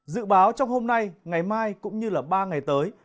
dự báo trong hôm nay ngày mai cũng như ba ngày tới